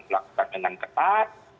melakukan dengan ketat